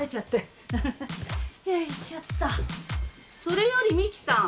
それより美樹さん。